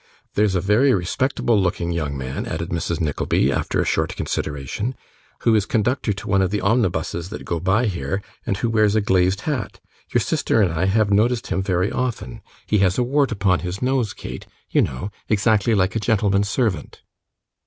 There's a very respectable looking young man,' added Mrs. Nickleby, after a short consideration, 'who is conductor to one of the omnibuses that go by here, and who wears a glazed hat your sister and I have noticed him very often he has a wart upon his nose, Kate, you know, exactly like a gentleman's servant.